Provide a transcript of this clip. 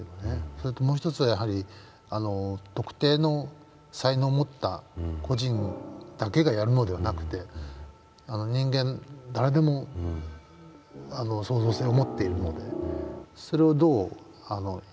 それともう一つはやはり特定の才能を持った個人だけがやるのではなくて人間誰でも創造性を持っているのでそれをどう生かすか。